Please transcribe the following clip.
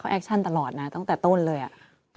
อือน๕๐๐๐ตั้งแต่ต้นเลยหรอ